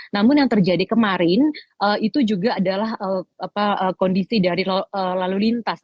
namun yang terjadi kemarin itu juga adalah kondisi dari lalu lintas